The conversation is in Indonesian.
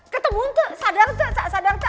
ketemu tuh sadar tuh sadar tuh